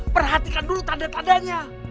perhatikan dulu tanda tandanya